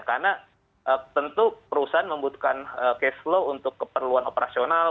karena tentu perusahaan membutuhkan cash flow untuk keperluan operasional